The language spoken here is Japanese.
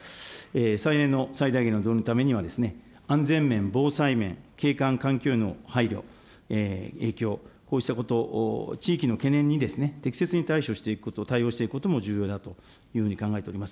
再エネの最大限の導入のためには、安全面、防災面、景観、環境への配慮、影響、こうしたことを地域の懸念に適切に対処していくこと、対応していくことも重要だというふうに考えております。